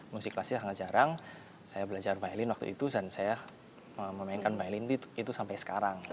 musik kelasnya sangat jarang saya belajar violin waktu itu dan saya memainkan violent itu sampai sekarang